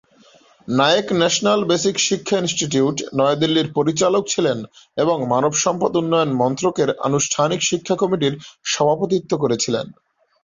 Naik National Basic Shiksha Institute, নয়াদিল্লির পরিচালক ছিলেন এবং মানবসম্পদ উন্নয়ন মন্ত্রকের আনুষ্ঠানিক শিক্ষা কমিটির সভাপতিত্ব করেছিলেন।